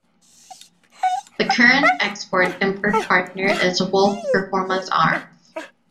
The current export import partner is Wolf Performance Arms.